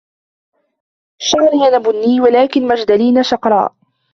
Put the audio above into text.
شعر أنّا بُني, ولكن ماجدالينا شَقراء.